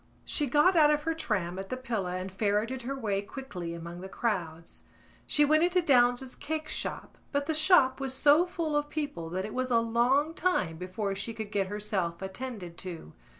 She got out of her tram at the Pillar and ferreted her way quickly among the crowds. She went into Downes's cake shop but the shop was so full of people that it was a long time before she could get herself attended to.